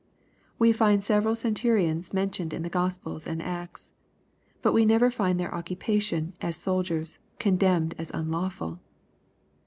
We find several centurions mentioned in the Gospels and Acts. But v e never find their occupation, as soldiers, condemned as unlawful.